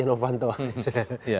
yang berbeda pendapatnya